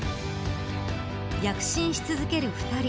躍進し続ける２人。